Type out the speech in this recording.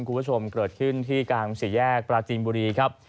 คุณผู้ชมเกิดขึ้นที่กลางสี่แยกปราจีนบุรีครับ